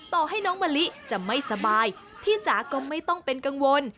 ต่อให้น้องมะลิจะไม่สบายพี่จ๋าก็ไม่ต้องเป็นกังวล